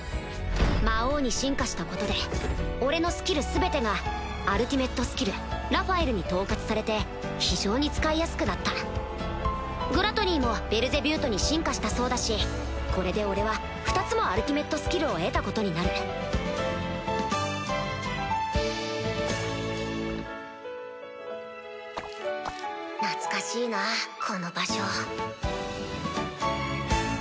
魔王に進化したことで俺のスキル全てがアルティメットスキルラファエルに統括されて非常に使いやすくなったグラトニーもベルゼビュートに進化したそうだしこれで俺は２つもアルティメットスキルを得たことになる懐かしいなこの場所。